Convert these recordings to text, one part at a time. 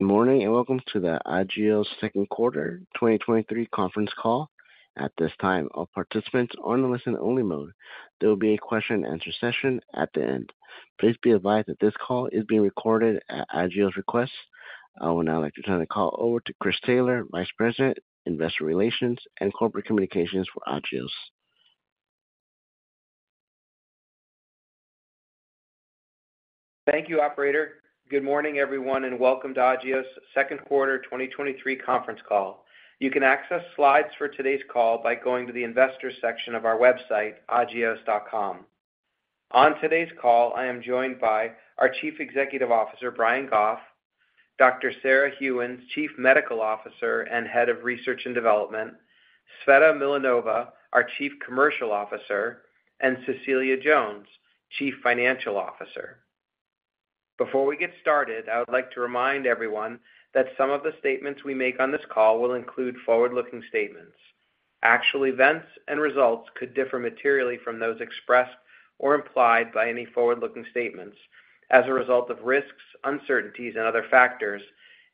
Good morning, welcome to the Agios Second Quarter 2023 conference call. At this time, all participants are on listen-only mode. There will be a question-and-answer session at the end. Please be advised that this call is being recorded at Agios' request. I would now like to turn the call over to Chris Taylor, Vice President, Investor Relations and Corporate Communications for Agios. Thank you, operator. Good morning, everyone, and welcome to Agios Second Quarter 2023 conference call. You can access slides for today's call by going to the investors section of our website, Agios.com. On today's call, I am joined by our Chief Executive Officer, Brian Goff; Dr. Sarah Gheuens, Chief Medical Officer and Head of Research and Development; Tsveta Milanova, our Chief Commercial Officer; and Cecilia Jones, Chief Financial Officer. Before we get started, I would like to remind everyone that some of the statements we make on this call will include forward-looking statements. Actual events and results could differ materially from those expressed or implied by any forward-looking statements as a result of risks, uncertainties and other factors,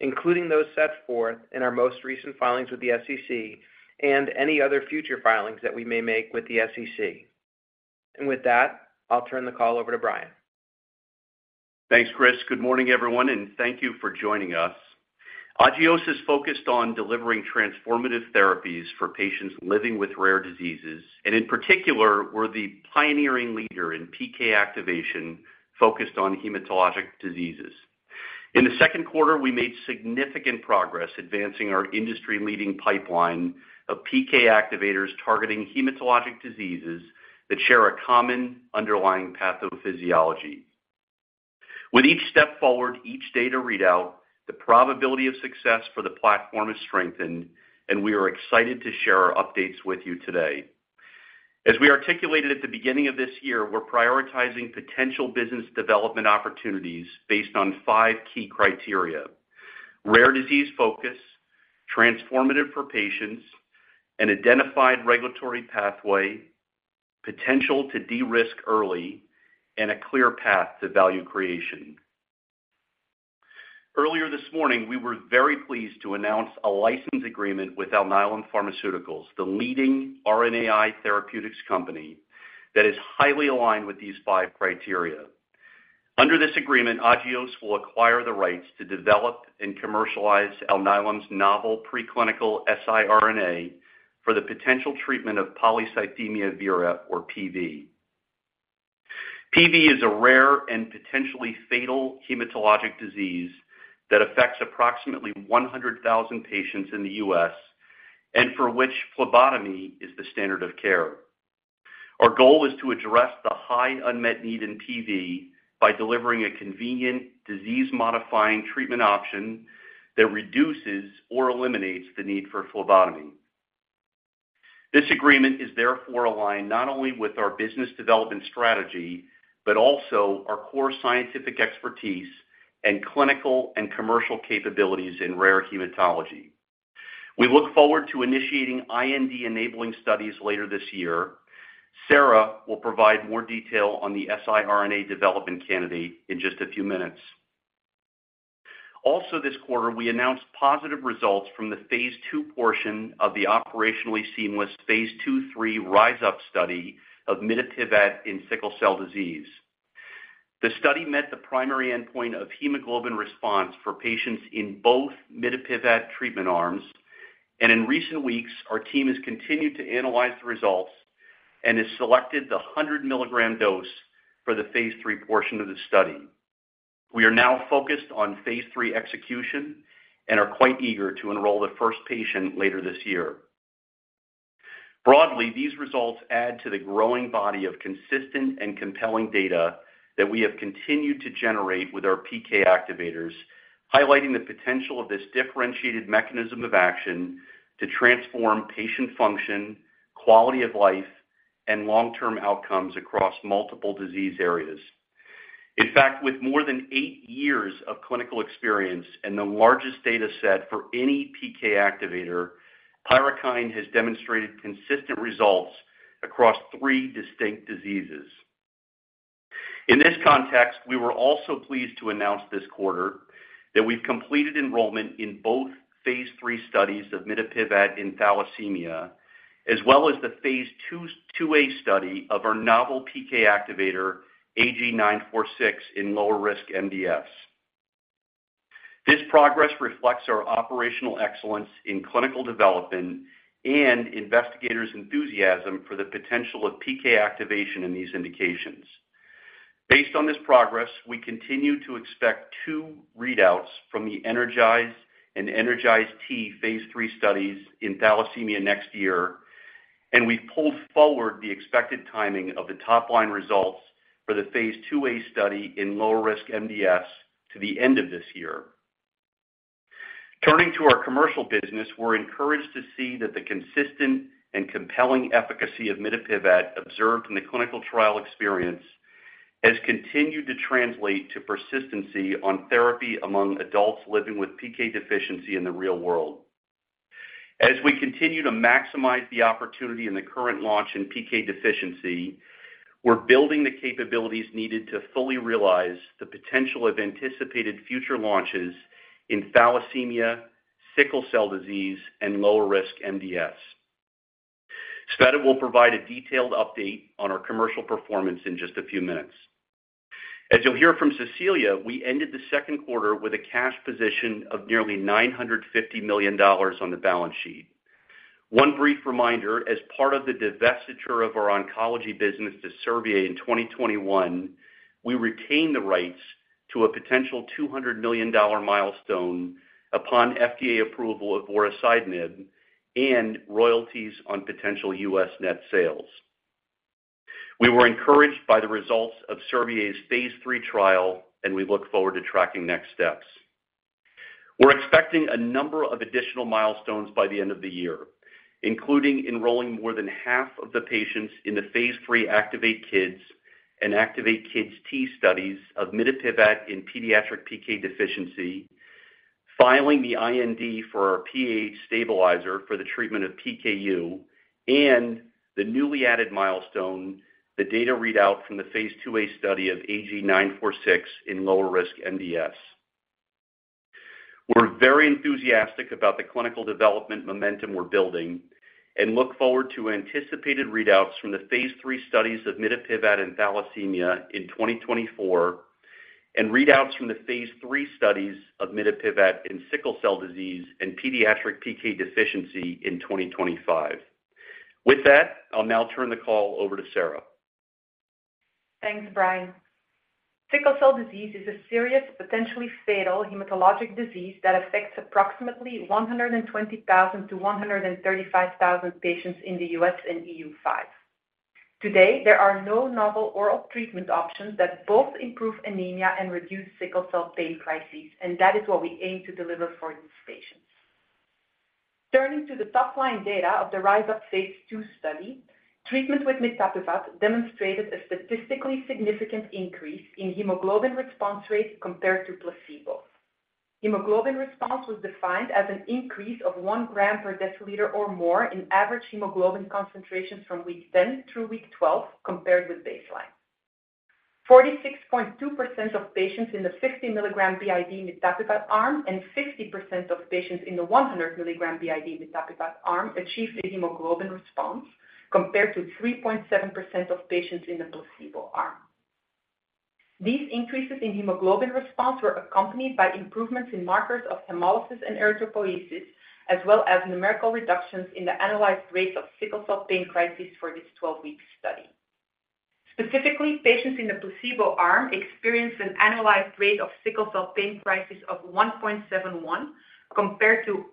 including those set forth in our most recent filings with the SEC and any other future filings that we may make with the SEC. With that, I'll turn the call over to Brian. Thanks, Chris. Good morning, everyone, and thank you for joining us. Agios is focused on delivering transformative therapies for patients living with rare diseases, and in particular, we're the pioneering leader in PK activation focused on hematologic diseases. In the second quarter, we made significant progress advancing our industry-leading pipeline of PK activators targeting hematologic diseases that share a common underlying pathophysiology. With each step forward, each data readout, the probability of success for the platform is strengthened, and we are excited to share our updates with you today. As we articulated at the beginning of this year, we're prioritizing potential business development opportunities based on five key criteria: rare disease focus, transformative for patients, an identified regulatory pathway, potential to de-risk early, and a clear path to value creation. Earlier this morning, we were very pleased to announce a license agreement with Alnylam Pharmaceuticals, the leading RNAi therapeutics company that is highly aligned with these five criteria. Under this agreement, Agios will acquire the rights to develop and commercialize Alnylam's novel preclinical siRNA for the potential treatment of polycythemia vera or PV. PV is a rare and potentially fatal hematologic disease that affects approximately 100,000 patients in the U.S., and for which phlebotomy is the standard of care. Our goal is to address the high unmet need in PV by delivering a convenient, disease-modifying treatment option that reduces or eliminates the need for phlebotomy. This agreement is therefore aligned not only with our business development strategy, but also our core scientific expertise and clinical and commercial capabilities in rare hematology. We look forward to initiating IND-enabling studies later this year. Sarah will provide more detail on the siRNA development candidate in just a few minutes. The study met the primary endpoint of hemoglobin response for patients in both mitapivat treatment arms, and in recent weeks, our team has continued to analyze the results and has selected the 100-milligram dose for the phase III portion of the study. We are now focused on phase III execution and are quite eager to enroll the first patient later this year. Broadly, these results add to the growing body of consistent and compelling data that we have continued to generate with our PK activators, highlighting the potential of this differentiated mechanism of action to transform patient function, quality of life, and long-term outcomes across multiple disease areas. In fact, with more than 8 years of clinical experience and the largest data set for any PK activator, PYRUKYND has demonstrated consistent results across three distinct diseases. In this context, we were also pleased to announce this quarter that we've completed enrollment in both phase III studies of mitapivat in thalassemia, as well as the phase IIa study of our novel PK activator, AG-946, in lower-risk MDS. This progress reflects our operational excellence in clinical development and investigators' enthusiasm for the potential of PK activation in these indications. Based on this progress, we continue to expect two readouts from the ENERGIZE and ENERGIZE-T phase III studies in thalassemia next year, and we've pulled forward the expected timing of the top-line results for the phase IIa study in lower risk MDS to the end of this year. Turning to our commercial business, we're encouraged to see that the consistent and compelling efficacy of mitapivat observed in the clinical trial experience has continued to translate to persistency on therapy among adults living with PK deficiency in the real world. As we continue to maximize the opportunity in the current launch in PK deficiency, we're building the capabilities needed to fully realize the potential of anticipated future launches in thalassemia, sickle cell disease, and lower risk MDS. Tsveta will provide a detailed update on our commercial performance in just a few minutes. As you'll hear from Cecilia, we ended the second quarter with a cash position of nearly $950 million on the balance sheet. One brief reminder, as part of the divestiture of our oncology business to Servier in 2021, we retained the rights to a potential $200 million milestone upon FDA approval of vorasidenib and royalties on potential U.S. net sales. We were encouraged by the results of Servier's phase III trial, and we look forward to tracking next steps. We're expecting a number of additional milestones by the end of the year, including enrolling more than half of the patients in the phase III ACTIVATE-Kids and ACTIVATE-KidsT studies of mitapivat in pediatric PK deficiency, filing the IND for our PAH stabilizer for the treatment of PKU, and the newly added milestone, the data readout from the phase IIa study of AG-946 in lower risk MDS. We're very enthusiastic about the clinical development momentum we're building and look forward to anticipated readouts from the phase III studies of mitapivat and thalassemia in 2024, and readouts from the phase III studies of mitapivat in sickle cell disease and pediatric PK deficiency in 2025. With that, I'll now turn the call over to Sarah. Thanks, Brian. Sickle cell disease is a serious, potentially fatal hematologic disease that affects approximately 120,000-135,000 patients in the U.S. and EU5. Today, there are no novel oral treatment options that both improve anemia and reduce sickle cell pain crises, that is what we aim to deliver for these patients. Turning to the top-line data of the RISE-UP phase II study, treatment with mitapivat demonstrated a statistically significant increase in hemoglobin response rate compared to placebo. Hemoglobin response was defined as an increase of one gram per deciliter or more in average hemoglobin concentrations from week 10 through week 12, compared with baseline. 46.2% of patients in the 50 milligram BID mitapivat arm and 50% of patients in the 100 milligram BID mitapivat arm achieved a hemoglobin response, compared to 3.7% of patients in the placebo arm. These increases in hemoglobin response were accompanied by improvements in markers of hemolysis and erythropoiesis, as well as numerical reductions in the analyzed rate of sickle cell pain crisis for this 12-week study. Specifically, patients in the placebo arm experienced an analyzed rate of sickle cell pain crisis of 1.71, compared to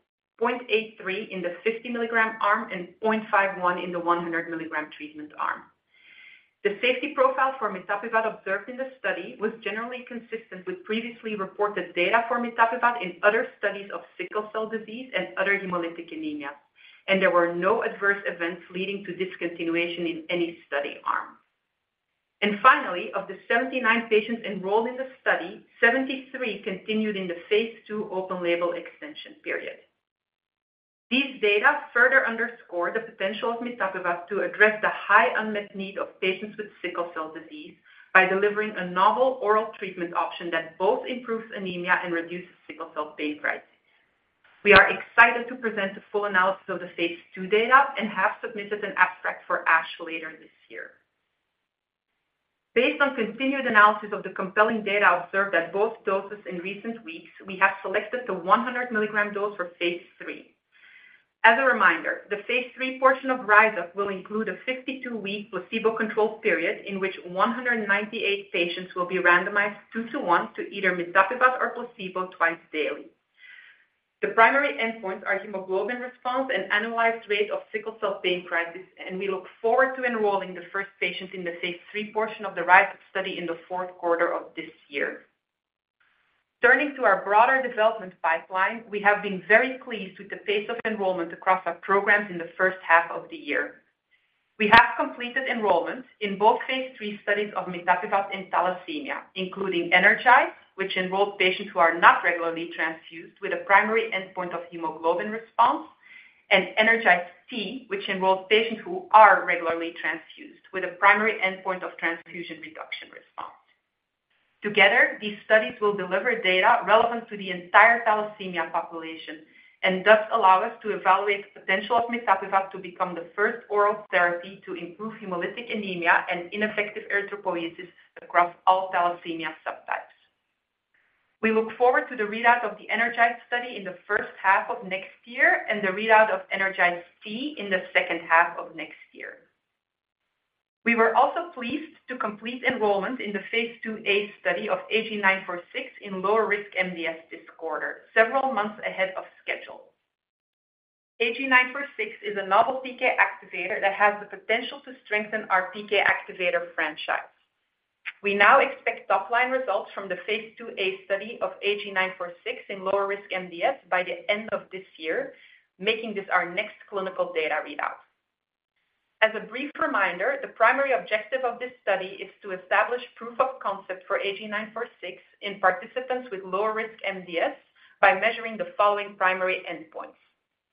0.83 in the 50 milligram arm and 0.51 in the 100 milligram treatment arm. The safety profile for mitapivat observed in the study was generally consistent with previously reported data for mitapivat in other studies of sickle cell disease and other hemolytic anemia. There were no adverse events leading to discontinuation in any study arm. Finally, of the 79 patients enrolled in the study, 73 continued in the phase II open label extension period. These data further underscore the potential of mitapivat to address the high unmet need of patients with sickle cell disease by delivering a novel oral treatment option that both improves anemia and reduces sickle cell pain crisis. We are excited to present a full analysis of the phase II data and have submitted an abstract for ASH later this year. Based on continued analysis of the compelling data observed at both doses in recent weeks, we have selected the 100 milligram dose for phase III. As a reminder, the phase III portion of RISE UP will include a 52-week placebo-controlled period in which 198 patients will be randomized two to one to either mitapivat or placebo twice daily. The primary endpoints are hemoglobin response and analyzed rate of sickle cell pain crisis, and we look forward to enrolling the first patients in the phase III portion of the RISE UP study in the fourth quarter of this year. Turning to our broader development pipeline, we have been very pleased with the pace of enrollment across our programs in the first half of the year. We have completed enrollment in both phase III studies of mitapivat and thalassemia, including ENERGIZE, which enrolled patients who are not regularly transfused with a primary endpoint of hemoglobin response, and ENERGIZE-T, which enrolled patients who are regularly transfused with a primary endpoint of transfusion reduction response. Together, these studies will deliver data relevant to the entire thalassemia population and thus allow us to evaluate the potential of mitapivat to become the first oral therapy to improve hemolytic anemia and ineffective erythropoiesis across all thalassemia subtypes. We look forward to the readout of the ENERGIZE study in the first half of next year and the readout of ENERGIZE-T in the second half of next year. We were also pleased to complete enrollment in the phase IIa study of AG-946 in lower-risk MDS this quarter, several months ahead of schedule. AG-946 is a novel PK activator that has the potential to strengthen our PK activator franchise. We now expect top-line results from the phase IIa study of AG-946 in lower risk MDS by the end of this year, making this our next clinical data readout. As a brief reminder, the primary objective of this study is to establish proof of concept for AG-946 in participants with lower risk MDS by measuring the following primary endpoints: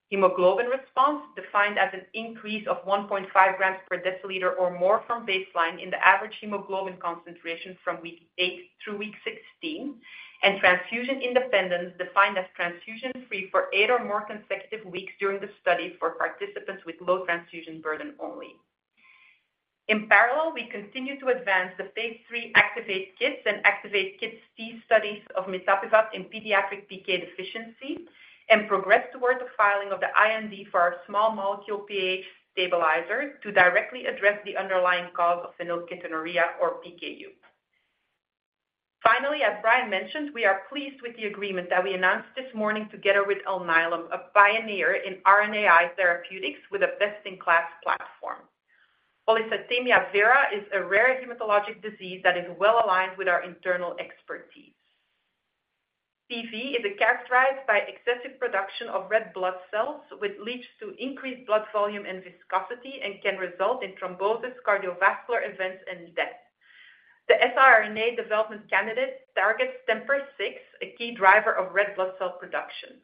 hemoglobin response, defined as an increase of 1.5 grams per deciliter or more from baseline in the average hemoglobin concentration from week eight through week 16, and transfusion independence, defined as transfusion-free for eight or more consecutive weeks during the study for participants with low transfusion burden only. In parallel, we continue to advance the phase III ACTIVATE-Kids and ACTIVATE-KidsT studies of mitapivat in pediatric PK deficiency, and progress towards the filing of the IND for our small molecule PAH stabilizer to directly address the underlying cause of phenylketonuria or PKU. Finally, as Brian mentioned, we are pleased with the agreement that we announced this morning together with Alnylam, a pioneer in RNAi therapeutics with a best-in-class platform. Polycythemia vera is a rare hematologic disease that is well-aligned with our internal expertise. PV is characterized by excessive production of red blood cells, which leads to increased blood volume and viscosity and can result in thrombosis, cardiovascular events, and death. The siRNA development candidate targets TMPRSS6, a key driver of red blood cell production.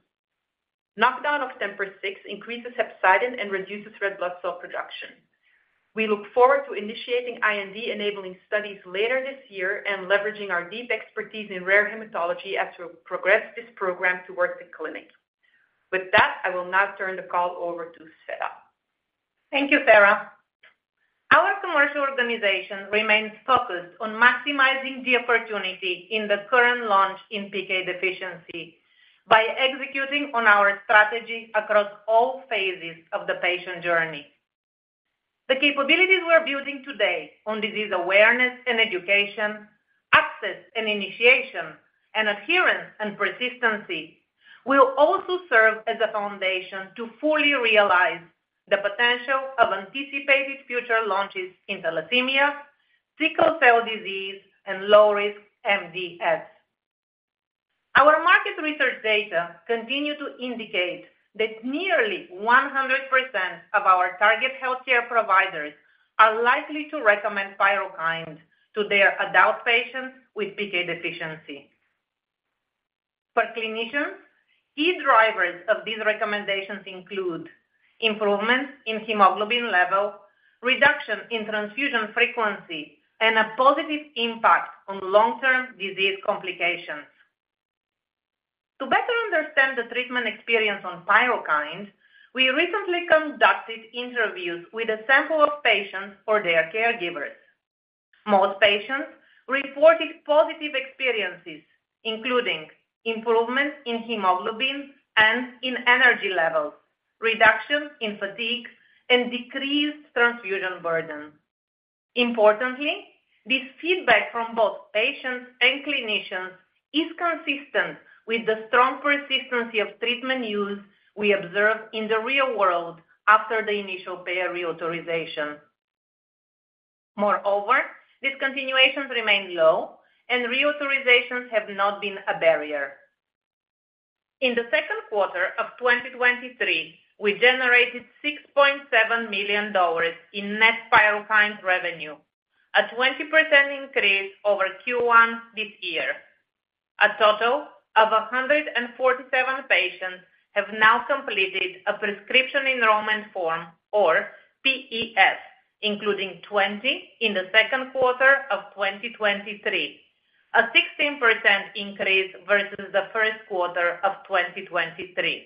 Knockdown of TMPRSS6 increases hepcidin and reduces red blood cell production. We look forward to initiating IND-enabling studies later this year and leveraging our deep expertise in rare hematology as we progress this program towards the clinic. With that, I will now turn the call over to Tsveta. Thank you, Sarah. Our commercial organization remains focused on maximizing the opportunity in the current launch in PK deficiency by executing on our strategy across all phases of the patient journey. The capabilities we're building today on disease awareness and education, access and initiation, and adherence and persistency, will also serve as a foundation to fully realize the potential of anticipated future launches in thalassemia, sickle cell disease, and low-risk MDS. Our market research data continue to indicate that nearly 100% of our target healthcare providers are likely to recommend PYRUKYND to their adult patients with PK deficiency. For clinicians, key drivers of these recommendations include improvement in hemoglobin level, reduction in transfusion frequency, and a positive impact on long-term disease complications. To better understand the treatment experience on PYRUKYND, we recently conducted interviews with a sample of patients or their caregivers. Most patients reported positive experiences, including improvement in hemoglobin and in energy levels, reduction in fatigue, and decreased transfusion burden. Importantly, this feedback from both patients and clinicians is consistent with the strong persistency of treatment use we observed in the real world after the initial payer reauthorization. Moreover, discontinuations remain low and reauthorizations have not been a barrier. In the second quarter of 2023, we generated $6.7 million in net PYRUKYND revenue, a 20% increase over Q1 this year. A total of 147 patients have now completed a prescription enrollment form or PES, including 20 in the second quarter of 2023, a 16% increase versus the first quarter of 2023.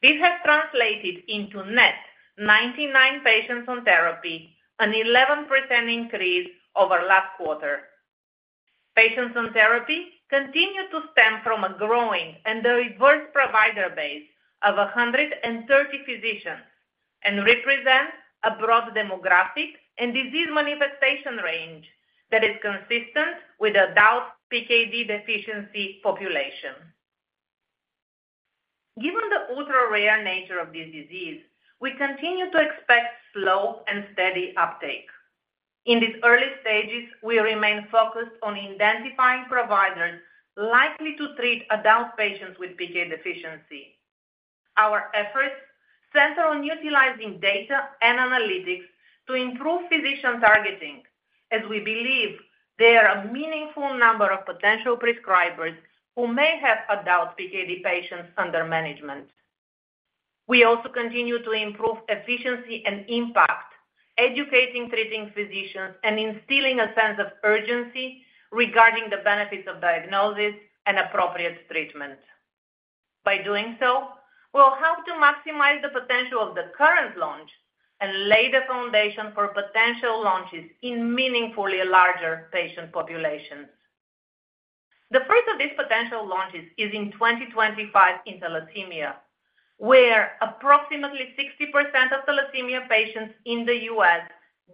This has translated into net 99 patients on therapy, an 11% increase over last quarter. Patients on therapy continue to stem from a growing and diverse provider base of 130 physicians and represent a broad demographic and disease manifestation range that is consistent with adult PKD deficiency population. Given the ultra-rare nature of this disease, we continue to expect slow and steady uptake. In these early stages, we remain focused on identifying providers likely to treat adult patients with PK deficiency. Our efforts center on utilizing data and analytics to improve physician targeting, as we believe there are a meaningful number of potential prescribers who may have adult PKD patients under management. We also continue to improve efficiency and impact, educating treating physicians, and instilling a sense of urgency regarding the benefits of diagnosis and appropriate treatment. By doing so, we'll help to maximize the potential of the current launch and lay the foundation for potential launches in meaningfully larger patient populations. The first of these potential launches is in 2025 in thalassemia, where approximately 60% of thalassemia patients in the U.S.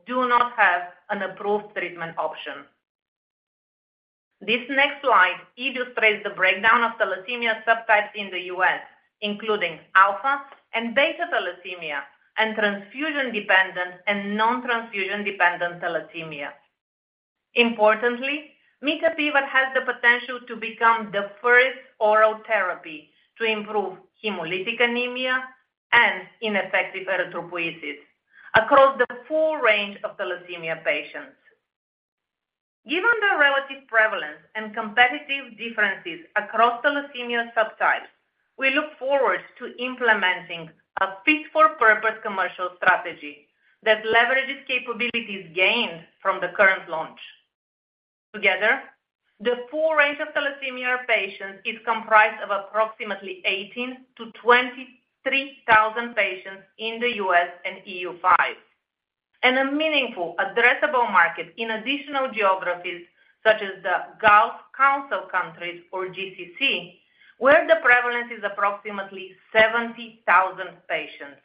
do not have an approved treatment option. This next slide illustrates the breakdown of thalassemia subtypes in the U.S., including alpha and beta thalassemia, and transfusion-dependent and non-transfusion-dependent thalassemia.... Importantly, mitapivat has the potential to become the first oral therapy to improve hemolytic anemia and ineffective erythropoiesis across the full range of thalassemia patients. Given the relative prevalence and competitive differences across thalassemia subtypes, we look forward to implementing a fit-for-purpose commercial strategy that leverages capabilities gained from the current launch. Together, the full range of thalassemia patients is comprised of approximately 18,000-23,000 patients in the U.S. and EU5, and a meaningful addressable market in additional geographies such as the Gulf Council countries or GCC, where the prevalence is approximately 70,000 patients.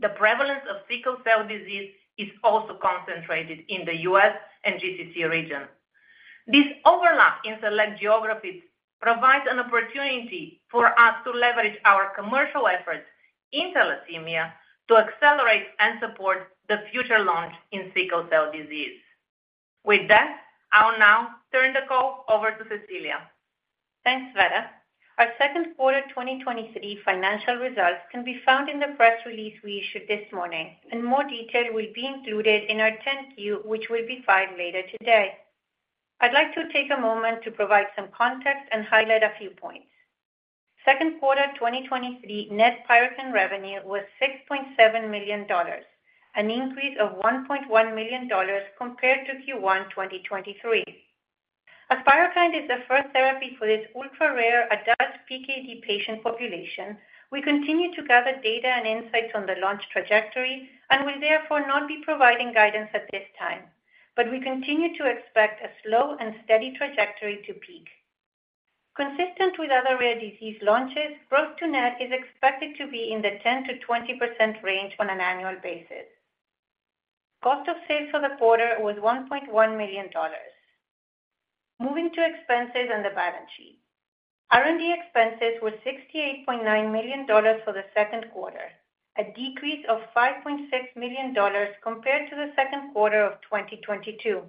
The prevalence of sickle cell disease is also concentrated in the U.S. and GCC region. This overlap in select geographies provides an opportunity for us to leverage our commercial efforts in thalassemia to accelerate and support the future launch in sickle cell disease. With that, I'll now turn the call over to Cecilia. Thanks, Tsveta. Our second quarter 2023 financial results can be found in the press release we issued this morning, more detail will be included in our Form 10-Q, which will be filed later today. I'd like to take a moment to provide some context and highlight a few points. Second quarter 2023 net PYRUKYND revenue was $6.7 million, an increase of $1.1 million compared to Q1 2023. As PYRUKYND is the first therapy for this ultra-rare adult PKD patient population, we continue to gather data and insights on the launch trajectory and will therefore not be providing guidance at this time. We continue to expect a slow and steady trajectory to peak. Consistent with other rare disease launches, growth to net is expected to be in the 10%-20% range on an annual basis. Cost of sales for the quarter was $1.1 million. Moving to expenses and the balance sheet. R&D expenses were $68.9 million for the second quarter, a decrease of $5.6 million compared to the second quarter of 2022.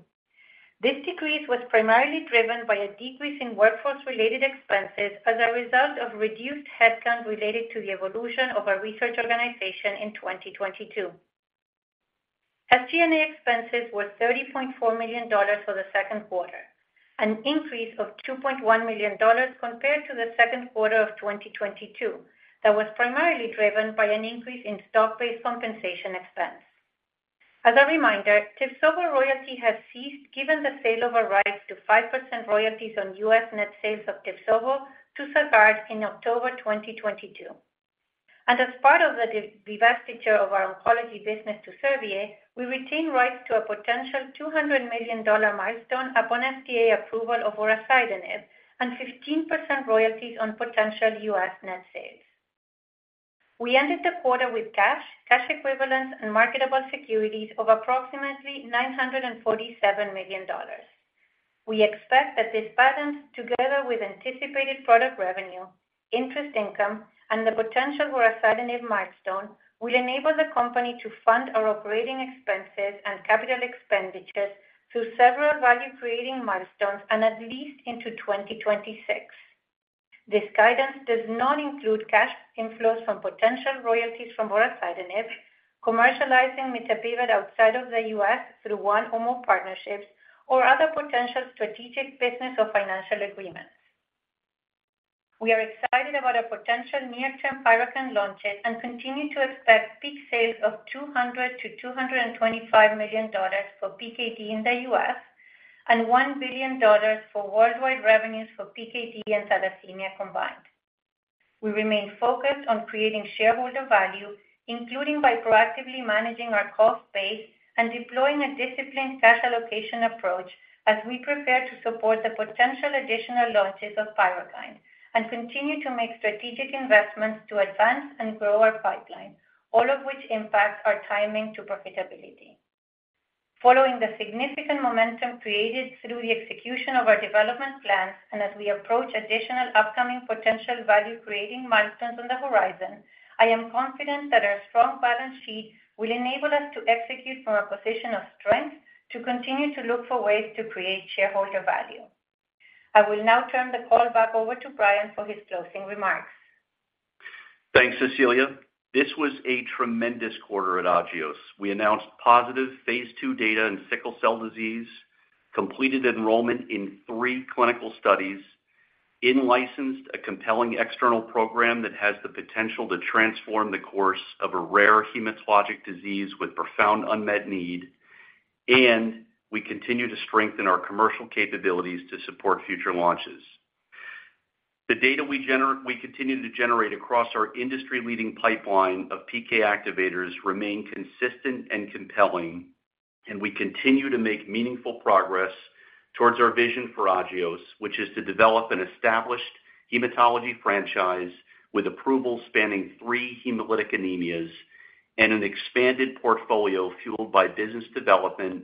This decrease was primarily driven by a decrease in workforce-related expenses as a result of reduced headcount related to the evolution of our research organization in 2022. SG&A expenses were $30.4 million for the second quarter, an increase of $2.1 million compared to the second quarter of 2022. That was primarily driven by an increase in stock-based compensation expense. As a reminder, Tyvaso royalty has ceased, given the sale of a right to 5% royalties on U.S. net sales of Tyvaso to Sagard in October 2022. As part of the divestiture of our oncology business to Servier, we retain rights to a potential $200 million milestone upon FDA approval of vorasidenib and 15% royalties on potential U.S. net sales. We ended the quarter with cash, cash equivalents, and marketable securities of approximately $947 million. We expect that this pattern, together with anticipated product revenue, interest income, and the potential vorasidenib milestone, will enable the company to fund our operating expenses and capital expenditures through several value-creating milestones and at least into 2026. This guidance does not include cash inflows from potential royalties from vorasidenib, commercializing mitapivat outside of the U.S. through one or more partnerships, or other potential strategic business or financial agreements. We are excited about our potential near-term PYRUKYND launches and continue to expect peak sales of $200 million-$225 million for PKD in the U.S. and $1 billion for worldwide revenues for PKD and thalassemia combined. We remain focused on creating shareholder value, including by proactively managing our cost base and deploying a disciplined cash allocation approach as we prepare to support the potential additional launches of PYRUKYND and continue to make strategic investments to advance and grow our pipeline, all of which impacts our timing to profitability. Following the significant momentum created through the execution of our development plans and as we approach additional upcoming potential value-creating milestones on the horizon, I am confident that our strong balance sheet will enable us to execute from a position of strength to continue to look for ways to create shareholder value. I will now turn the call back over to Brian for his closing remarks. Thanks, Cecilia. This was a tremendous quarter at Agios. We announced positive phase II data in sickle cell disease, completed enrollment in 3 clinical studies, in-licensed a compelling external program that has the potential to transform the course of a rare hematologic disease with profound unmet need, and we continue to strengthen our commercial capabilities to support future launches. The data we continue to generate across our industry-leading pipeline of PK activators remain consistent and compelling, and we continue to make meaningful progress towards our vision for Agios, which is to develop an established hematology franchise with approvals spanning 3 hemolytic anemias and an expanded portfolio fueled by business development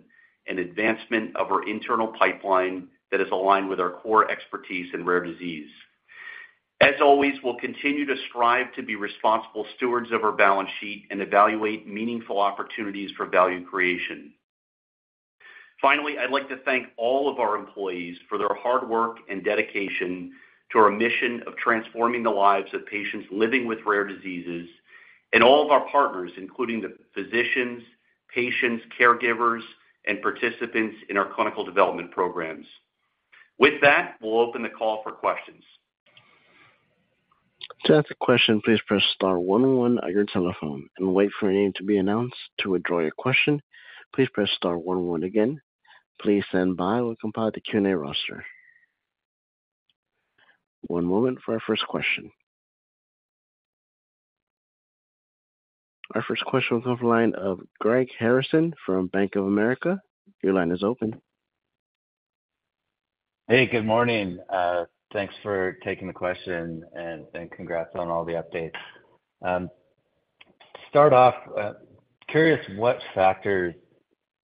and advancement of our internal pipeline that is aligned with our core expertise in rare disease. As always, we'll continue to strive to be responsible stewards of our balance sheet and evaluate meaningful opportunities for value creation. Finally, I'd like to thank all of our employees for their hard work and dedication to our mission of transforming the lives of patients living with rare diseases, and all of our partners, including the physicians, patients, caregivers, and participants in our clinical development programs. With that, we'll open the call for questions. To ask a question, please press star one one on your telephone and wait for your name to be announced. To withdraw your question, please press star one one again. Please stand by. We'll compile the Q&A roster. One moment for our first question. Our first question will come from the line of Greg Harrison from Bank of America. Your line is open. Hey, good morning. Thanks for taking the question, and, and congrats on all the updates. To start off, curious what factors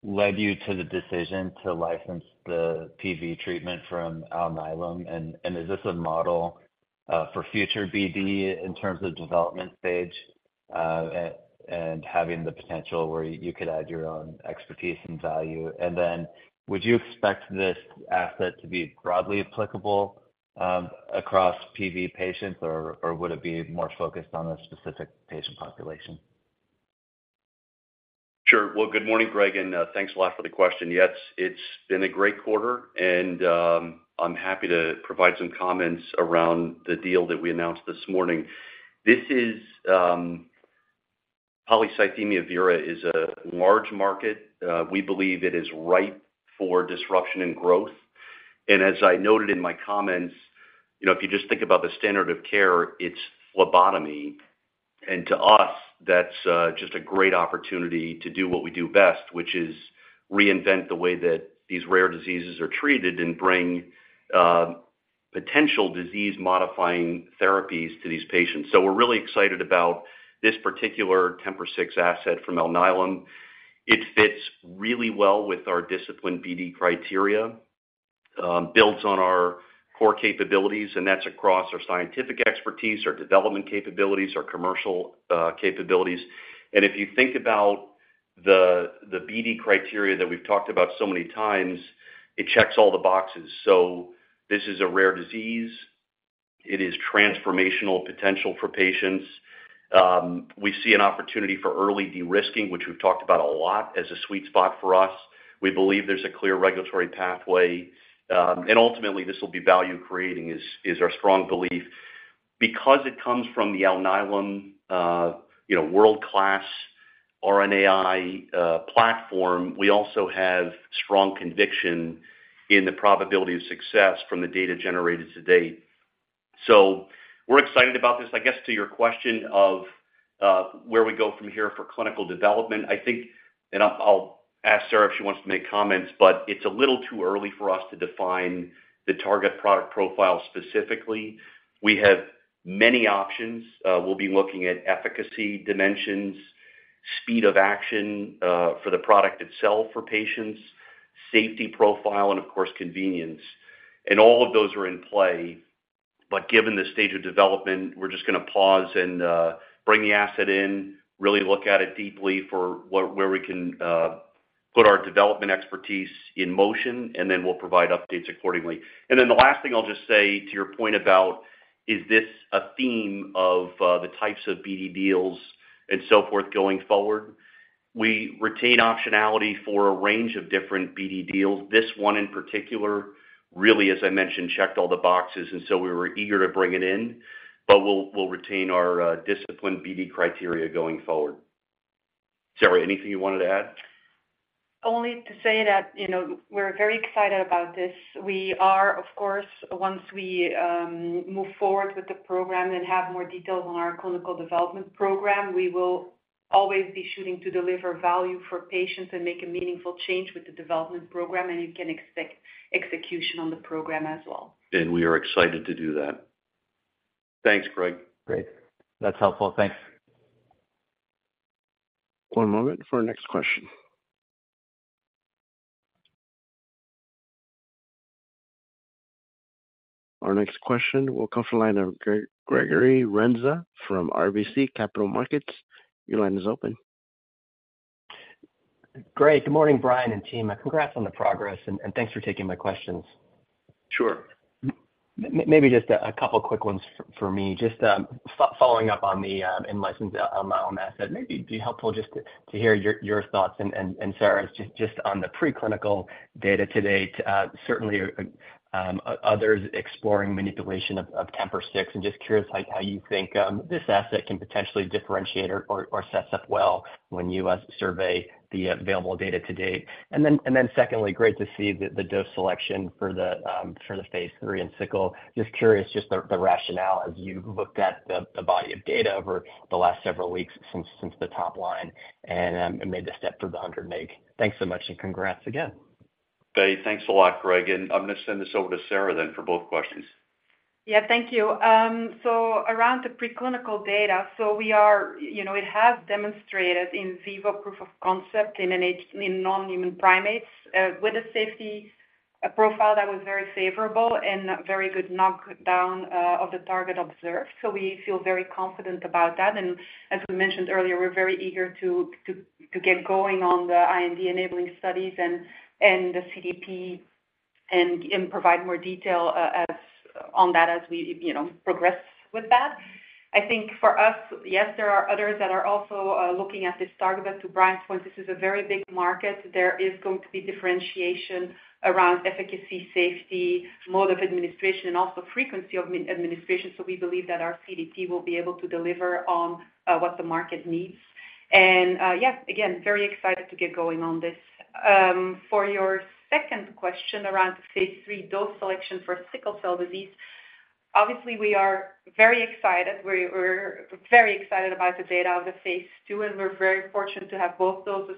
led you to the decision to license the PV treatment from Alnylam? Is this a model for future BD in terms of development stage, and having the potential where you could add your own expertise and value? Would you expect this asset to be broadly applicable across PV patients, or, or would it be more focused on a specific patient population? Sure. Well, good morning, Greg, thanks a lot for the question. Yes, it's been a great quarter, I'm happy to provide some comments around the deal that we announced this morning. This is, polycythemia vera is a large market. We believe it is ripe for disruption and growth. As I noted in my comments, you know, if you just think about the standard of care, it's phlebotomy. To us, that's just a great opportunity to do what we do best, which is reinvent the way that these rare diseases are treated and bring potential disease-modifying therapies to these patients. We're really excited about this particular TMPRSS6 asset from Alnylam. It fits really well with our disciplined BD criteria, builds on our core capabilities, that's across our scientific expertise, our development capabilities, our commercial capabilities. If you think about the BD criteria that we've talked about so many times, it checks all the boxes. This is a rare disease. It is transformational potential for patients. We see an opportunity for early de-risking, which we've talked about a lot as a sweet spot for us. We believe there's a clear regulatory pathway, and ultimately, this will be value-creating, is our strong belief. It comes from the Alnylam, you know, world-class RNAi platform, we also have strong conviction in the probability of success from the data generated to date. We're excited about this. I guess, to your question of where we go from here for clinical development, I think, and I'll, I'll ask Sarah if she wants to make comments, but it's a little too early for us to define the target product profile specifically. We have many options. We'll be looking at efficacy dimensions, speed of action, for the product itself for patients, safety profile, and of course, convenience. All of those are in play, but given the stage of development, we're just gonna pause and bring the asset in, really look at it deeply for where, where we can put our development expertise in motion, and then we'll provide updates accordingly. The last thing I'll just say to your point about, is this a theme of the types of BD deals and so forth going forward? We retain optionality for a range of different BD deals. This one, in particular, really, as I mentioned, checked all the boxes, and so we were eager to bring it in, but we'll, we'll retain our disciplined BD criteria going forward. Sarah, anything you wanted to add? Only to say that, you know, we're very excited about this. We are, of course, once we move forward with the program and have more details on our clinical development program, we will always be shooting to deliver value for patients and make a meaningful change with the development program, and you can expect execution on the program as well. We are excited to do that. Thanks, Greg. Great. That's helpful. Thanks. One moment for our next question. Our next question will come from the line of Gregory Renza from RBC Capital Markets. Your line is open. Great. Good morning, Brian and team. Congrats on the progress, and thanks for taking my questions. Sure. Maybe just a couple quick ones from me. Just following up on the in-license Alnylam asset, maybe it'd be helpful just to hear your thoughts and Sarah's, just on the preclinical data to date. Certainly, others exploring manipulation of TMPRSS6, and just curious, like, how you think this asset can potentially differentiate or sets up well when you survey the available data to date. Secondly, great to see the dose selection for the phase III and Sickle. Just curious, the rationale as you looked at the body of data over the last several weeks since the top line and made the step for the 100 mg. Thanks so much, congrats again. Hey, thanks a lot, Greg, and I'm going to send this over to Sarah then for both questions. Yeah, thank you. Around the preclinical data, you know, it has demonstrated in vivo proof of concept in non-human primates, with a safety profile that was very favorable and very good knockdown of the target observed. We feel very confident about that. As we mentioned earlier, we're very eager to get going on the IND-enabling studies and the CDP and provide more detail as on that as we, you know, progress with that. I think for us, yes, there are others that are also looking at this target. To Brian's point, this is a very big market. There is going to be differentiation around efficacy, safety, mode of administration, and also frequency of administration. We believe that our CDP will be able to deliver on what the market needs. Yes, again, very excited to get going on this. For your second question around the phase III dose selection for sickle cell disease, obviously, we are very excited. We're, we're very excited about the data of the phase II, and we're very fortunate to have both doses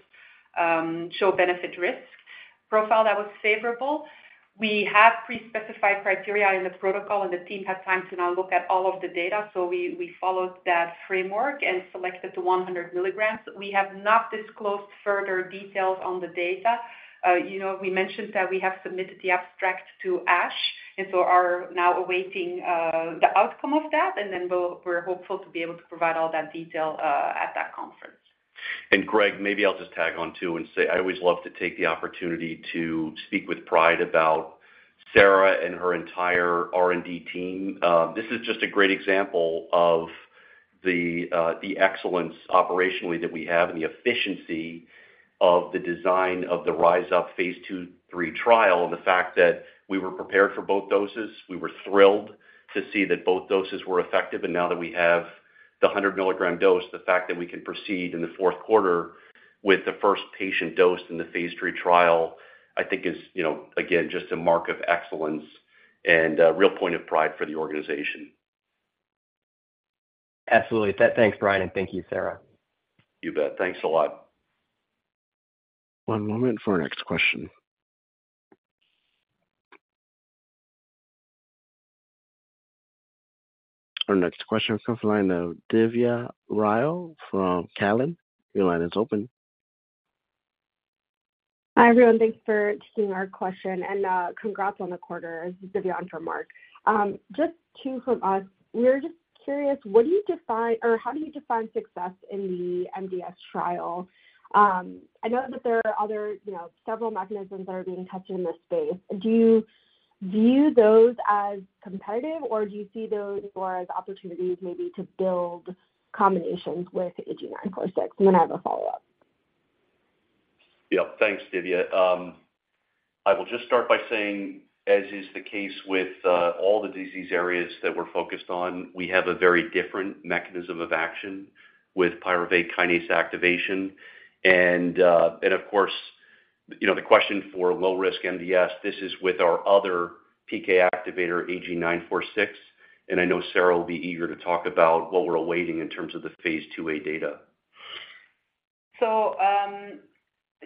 show benefit-risk profile that was favorable. We have pre-specified criteria in the protocol, the team had time to now look at all of the data, we, we followed that framework and selected the 100 milligrams. We have not disclosed further details on the data. You know, we mentioned that we have submitted the abstract to ASH, and so are now awaiting the outcome of that, and then we're hopeful to be able to provide all that detail at that conference. Greg, maybe I'll just tag on too, and say I always love to take the opportunity to speak with pride about Sarah and her entire R&D team. This is just a great example of the excellence operationally that we have and the efficiency of the design of the RISE UP phase II/III trial, and the fact that we were prepared for both doses. We were thrilled to see that both doses were effective, and now that we have the 100-milligram dose, the fact that we can proceed in the 4th quarter with the 1st patient dose in the phase III trial, I think is, you know, again, just a mark of excellence and a real point of pride for the organization. Absolutely. Thanks, Brian, and thank you, Sarah. You bet. Thanks a lot. One moment for our next question. Our next question comes from the line of Divya Rao from Cowen. Your line is open. Hi, everyone. Thanks for taking our question, and congrats on the quarter. This is Divya from Cowen. Just two from us. We're just curious, what do you define or how do you define success in the MDS trial? I know that there are other, you know, several mechanisms that are being touched in this space. Do you view those as competitive, or do you see those more as opportunities maybe to build combinations with AG-946? Then I have a follow-up. Yeah. Thanks, Divya. I will just start by saying, as is the case with, all the disease areas that we're focused on, we have a very different mechanism of action with pyruvate kinase activation. And of course, you know, the question for low-risk MDS, this is with our other PK activator, AG-946, and I know Sarah will be eager to talk about what we're awaiting in terms of the phase IIa data.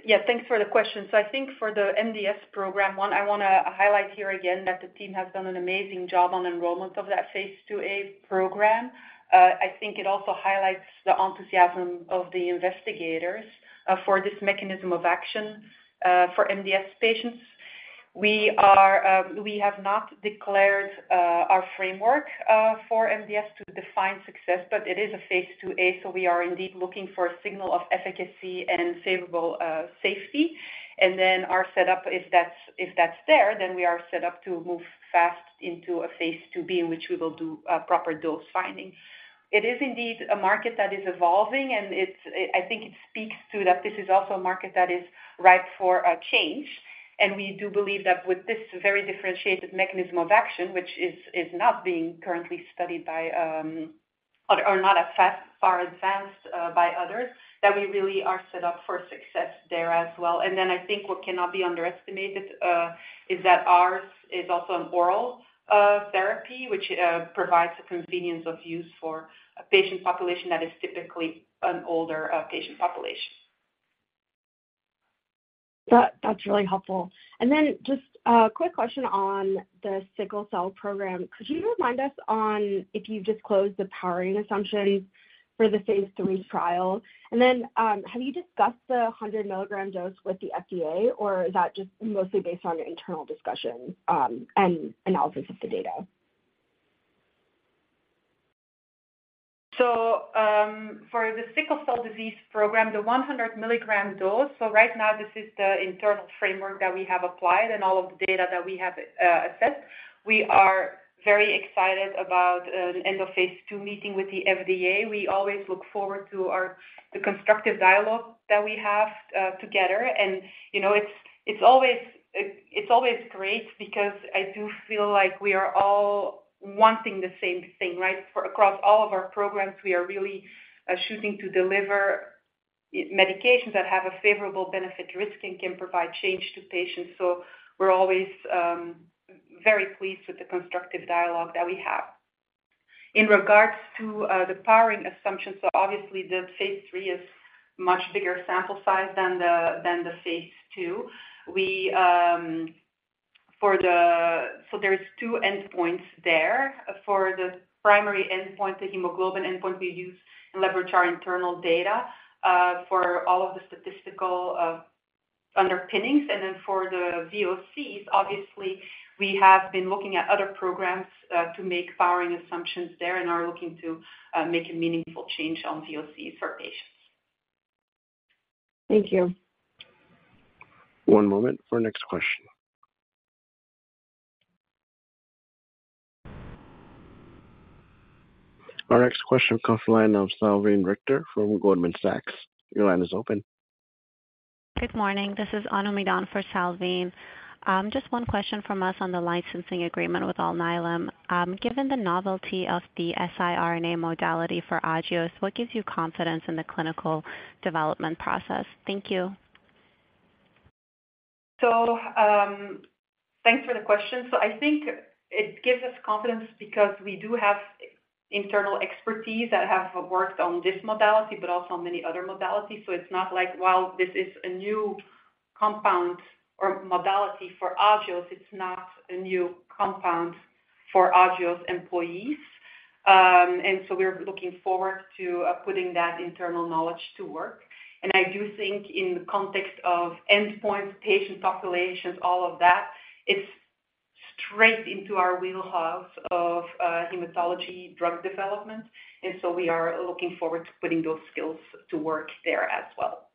Yeah, thanks for the question. I think for the MDS program, one, I want to highlight here again that the team has done an amazing job on enrollment of that phase IIa program. I think it also highlights the enthusiasm of the investigators for this mechanism of action for MDS patients. We are, we have not declared our framework for MDS to define success, but it is a phase IIa, we are indeed looking for a signal of efficacy and favorable safety. Our setup, if that's, if that's there, then we are set up to move fast into a phase IIb, in which we will do a proper dose finding. It is indeed a market that is evolving, and it's, I think it speaks to that this is also a market that is ripe for a change. We do believe that with this very differentiated mechanism of action, which is not being currently studied by or not as far advanced by others, that we really are set up for success there as well. I think what cannot be underestimated, is that ours is also an oral therapy, which provides the convenience of use for a patient population that is typically an older patient population. That, that's really helpful. Just a quick question on the sickle cell program. Could you remind us on if you've disclosed the powering assumption for the phase III trial? Have you discussed the 100-milligram dose with the FDA, or is that just mostly based on your internal discussion, and analysis of the data? For the sickle cell disease program, the 100 milligram dose, right now this is the internal framework that we have applied and all of the data that we have assessed. We are very excited about the end of phase II meeting with the FDA. We always look forward to our, the constructive dialogue that we have together. You know, it's, it's always, it's always great because I do feel like we are all wanting the same thing, right? For across all of our programs, we are really shooting to deliver medications that have a favorable benefit risk and can provide change to patients. We're always very pleased with the constructive dialogue that we have. In regards to the powering assumptions, obviously the phase III is much bigger sample size than the, than the phase II. We, there's two endpoints there. For the primary endpoint, the hemoglobin endpoint, we use and leverage our internal data for all of the statistical underpinnings. Then for the VOCs, obviously, we have been looking at other programs to make powering assumptions there and are looking to make a meaningful change on VOCs for patients. Thank you. One moment for our next question. Our next question comes from the line of Salveen Richter from Goldman Sachs. Your line is open. Good morning. This is Anu Midha for Salveen. Just one question from us on the licensing agreement with Alnylam. Given the novelty of the siRNA modality for Agios, what gives you confidence in the clinical development process? Thank you. Thanks for the question. I think it gives us confidence because we do have internal expertise that have worked on this modality, but also on many other modalities. It's not like, while this is a new compound or modality for Agios, it's not a new compound for Agios employees. And so we're looking forward to putting that internal knowledge to work. And I do think in the context of endpoint, patient populations, all of that, it's straight into our wheelhouse of hematology drug development, and so we are looking forward to putting those skills to work there as well.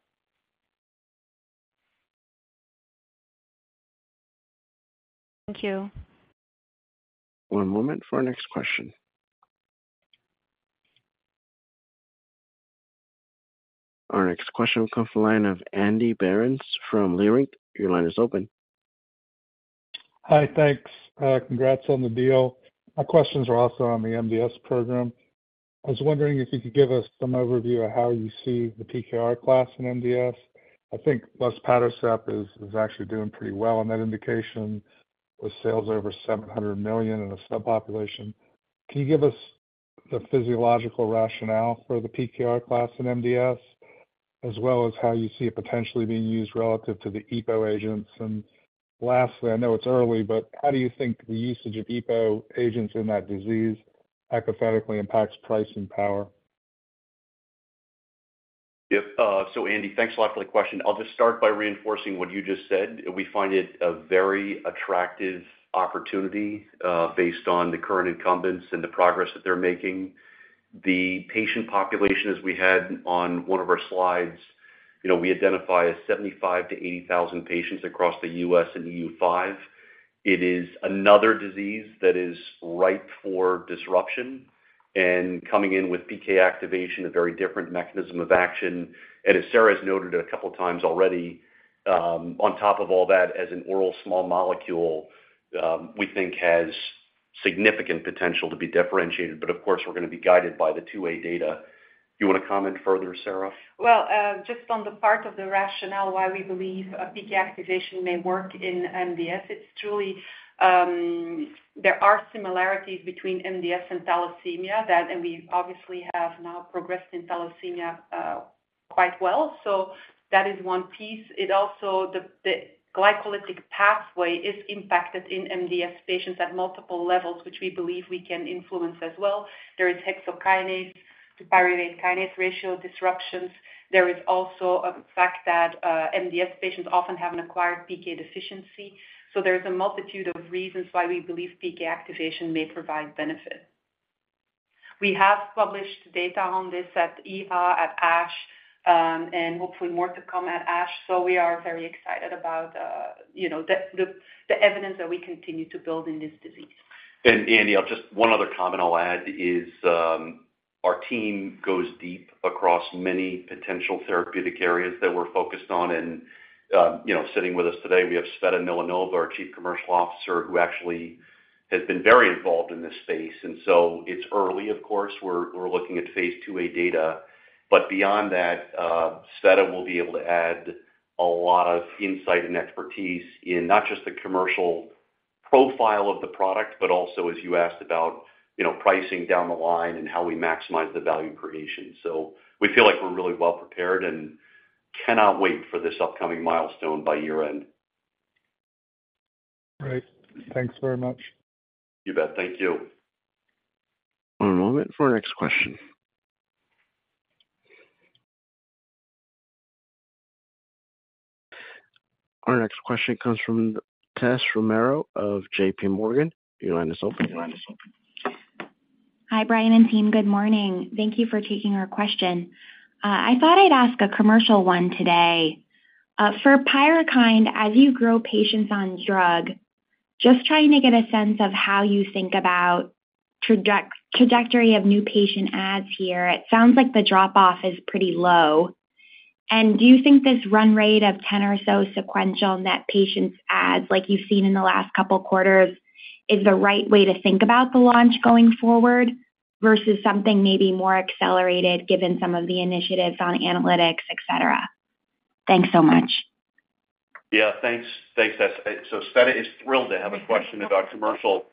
Thank you. One moment for our next question. Our next question comes from the line of Andy Berens from Leerink. Your line is open. Hi, thanks. congrats on the deal. My questions are also on the MDS program. I was wondering if you could give us some overview of how you see the PKR class in MDS. I think luspatercept is, is actually doing pretty well on that indication, with sales over $700 million in a subpopulation. Can you give us the physiological rationale for the PKR class in MDS, as well as how you see it potentially being used relative to the EPO agents? lastly, I know it's early, but how do you think the usage of EPO agents in that disease hypothetically impacts pricing power? Yep. Andy, thanks a lot for the question. I'll just start by reinforcing what you just said. We find it a very attractive opportunity based on the current incumbents and the progress that they're making. The patient population, as we had on one of our slides, you know, we identify as 75,000-80,000 patients across the U.S. and EU5. It is another disease that is ripe for disruption and coming in with PK activation, a very different mechanism of action. As Sarah has noted a couple of times already, on top of all that, as an oral small molecule, we think has significant potential to be differentiated, but of course, we're going to be guided by the 2A data. You want to comment further, Sarah? Well, just on the part of the rationale why we believe PK activation may work in MDS, it's truly, there are similarities between MDS and thalassemia, that, and we obviously have now progressed in thalassemia quite well. That is one piece. It also, the glycolytic pathway is impacted in MDS patients at multiple levels, which we believe we can influence as well. There is hexokinase to pyruvate kinase ratio disruptions. There is also a fact that MDS patients often have an acquired PK deficiency. There's a multitude of reasons why we believe PK activation may provide benefit. We have published data on this at EHA, at ASH, and hopefully more to come at ASH. We are very excited about, you know, the evidence that we continue to build in this disease. Andy, just one other comment I'll add is, our team goes deep across many potential therapeutic areas that we're focused on and, you know, sitting with us today, we have Tsveta Milanova, our Chief Commercial Officer, who actually has been very involved in this space, so it's early, of course, we're, we're looking at phase IIa data. Beyond that, Tsveta will be able to add a lot of insight and expertise in not just the commercial profile of the product, but also, as you asked about, you know, pricing down the line and how we maximize the value creation. We feel like we're really well prepared and cannot wait for this upcoming milestone by year-end. Great. Thanks very much. You bet. Thank you. One moment for our next question. Our next question comes from Tess Romero of JPMorgan. Your line is open. Hi, Brian and team, good morning. Thank you for taking our question. I thought I'd ask a commercial one today. For PYRUKYND, as you grow patients on drug, just trying to get a sense of how you think about trajectory of new patient adds here. It sounds like the drop-off is pretty low. Do you think this run rate of 10 or so sequential net patients adds, like you've seen in the last couple of quarters, is the right way to think about the launch going forward, versus something maybe more accelerated given some of the initiatives on analytics, et cetera? Thanks so much. Yeah, thanks. Thanks, Tess. Tsveta is thrilled to have a question about commercial,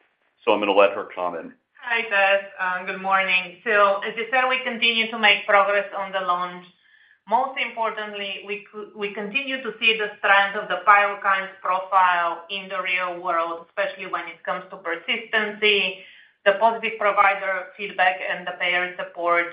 so I'm gonna let her comment. Hi, Tess. Good morning. As you said, we continue to make progress on the launch. Most importantly, we continue to see the strength of the PYRUKYND's profile in the real world, especially when it comes to persistency, the positive provider feedback, and the payer support.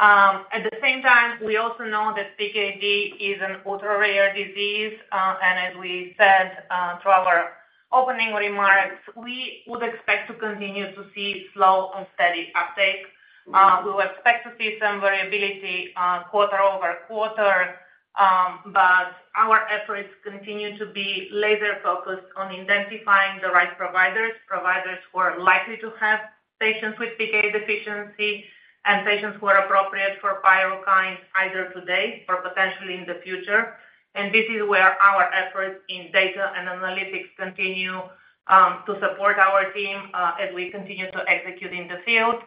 At the same time, we also know that PKD is an ultra-rare disease, and as we said, through our opening remarks, we would expect to continue to see slow and steady uptake. We expect to see some variability, quarter over quarter, our efforts continue to be laser-focused on identifying the right providers, providers who are likely to have patients with PKD deficiency and patients who are appropriate for PYRUKYND, either today or potentially in the future. This is where our efforts in data and analytics continue, to support our team, as we continue to execute in the field.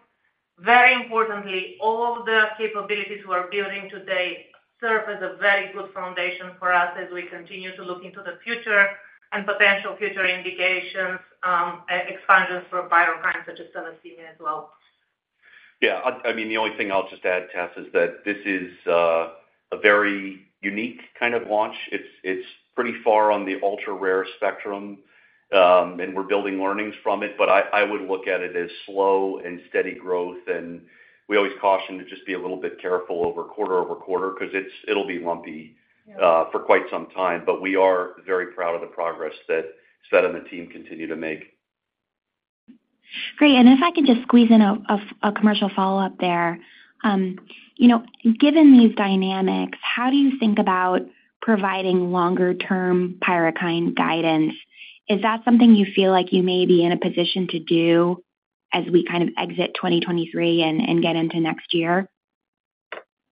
Very importantly, all the capabilities we're building today serve as a very good foundation for us as we continue to look into the future and potential future indications, and expansions for PYRUKYND such as thalassemia as well. Yeah, I, I mean, the only thing I'll just add, Tess, is that this is a very unique kind of launch. It's pretty far on the ultra-rare spectrum, and we're building learnings from it, but I, I would look at it as slow and steady growth, and we always caution to just be a little bit careful over quarter-over-quarter because it'll be lumpy for quite some time. We are very proud of the progress that Tsveta and the team continue to make. Great. If I can just squeeze in a commercial follow-up there. You know, given these dynamics, how do you think about providing longer-term PYRUKYND guidance? Is that something you feel like you may be in a position to do as we kind of exit 2023 and get into next year?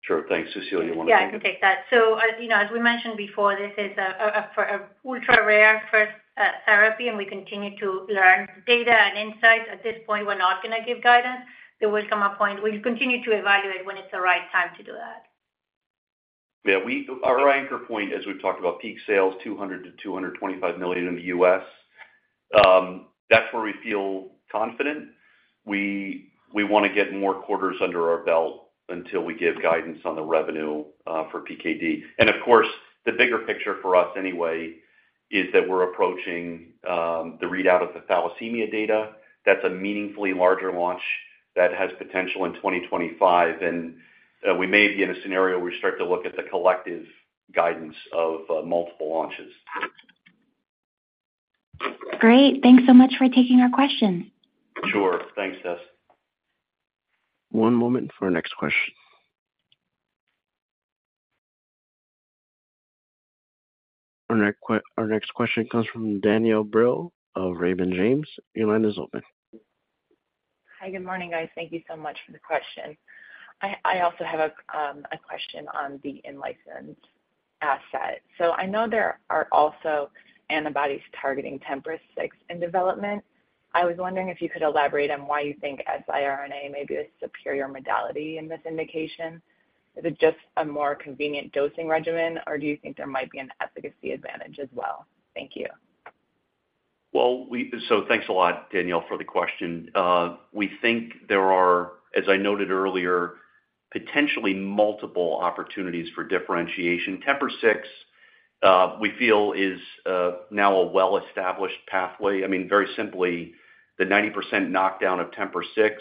Sure. Thanks. Cecilia, you want to take it? Yeah, I can take that. As, you know, as we mentioned before, this is a for a ultra-rare first therapy. We continue to learn data and insights. At this point, we're not gonna give guidance. There will come a point. We'll continue to evaluate when it's the right time to do that. Yeah, we... Our anchor point, as we've talked about, peak sales, $200 million-$225 million in the U.S.. That's where we feel confident. We, we want to get more quarters under our belt until we give guidance on the revenue for PKD. Of course, the bigger picture for us anyway, is that we're approaching the readout of the thalassemia data. That's a meaningfully larger launch that has potential in 2025. We may be in a scenario where we start to look at the collective guidance of multiple launches. Great. Thanks so much for taking our question. Sure. Thanks, Tess. One moment for our next question. Our next question comes from Danielle Brill of Raymond James. Your line is open. Hi, good morning, guys. Thank you so much for the question. I, I also have a question on the in licensed asset. I know there are also antibodies targeting TMPRSS6 in development. I was wondering if you could elaborate on why you think siRNA may be a superior modality in this indication. Is it just a more convenient dosing regimen, or do you think there might be an efficacy advantage as well? Thank you. Well, thanks a lot, Danielle, for the question. We think there are, as I noted earlier, potentially multiple opportunities for differentiation. TMPRSS6, we feel is now a well-established pathway. I mean, very simply, the 90% knockdown of TMPRSS6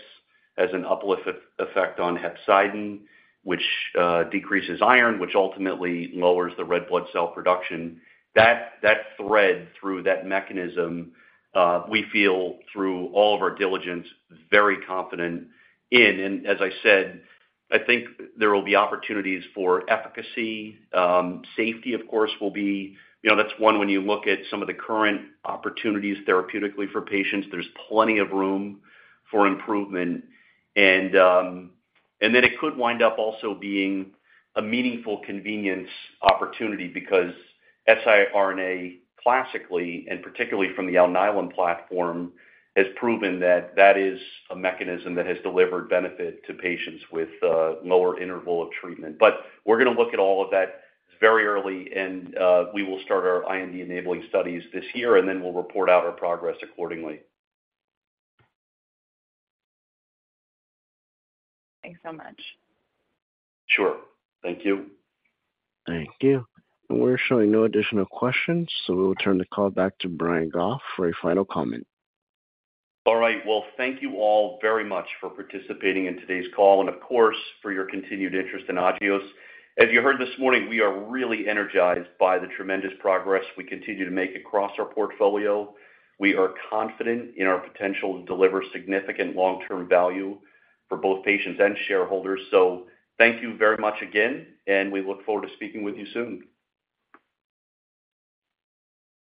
has an uplift effect on hepcidin, which decreases iron, which ultimately lowers the red blood cell production. That, that thread through that mechanism, we feel through all of our diligence, very confident in. As I said, I think there will be opportunities for efficacy. Safety, of course, will be... You know, that's one when you look at some of the current opportunities therapeutically for patients, there's plenty of room for improvement. Then it could wind up also being a meaningful convenience opportunity because siRNA, classically, and particularly from the Alnylam platform, has proven that that is a mechanism that has delivered benefit to patients with lower interval of treatment. We're gonna look at all of that. It's very early, and we will start our IND-enabling studies this year, and then we'll report out our progress accordingly. Thanks so much. Sure. Thank you. Thank you. We're showing no additional questions, so we'll turn the call back to Brian Goff for a final comment. All right. Well, thank you all very much for participating in today's call and, of course, for your continued interest in Agios. As you heard this morning, we are really energized by the tremendous progress we continue to make across our portfolio. We are confident in our potential to deliver significant long-term value for both patients and shareholders. Thank you very much again, and we look forward to speaking with you soon.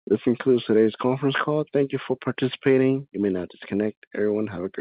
This concludes today's conference call. Thank you for participating. You may now disconnect. Everyone, have a great day.